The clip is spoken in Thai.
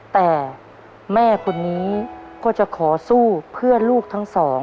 แต่แม่คนนี้ก็จะขอสู้เพื่อลูกทั้งสอง